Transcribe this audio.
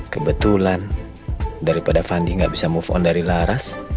kebetulan daripada fandi nggak bisa move on dari laras